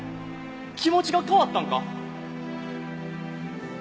気持ちが変わったんか？